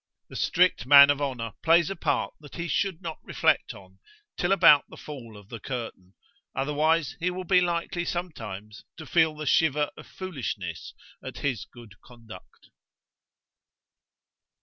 The strict man of honour plays a part that he should not reflect on till about the fall of the curtain, otherwise he will be likely sometimes to feel the shiver of foolishness at his good conduct.